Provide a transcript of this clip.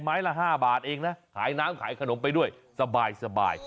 ละ๕บาทเองนะขายน้ำขายขนมไปด้วยสบาย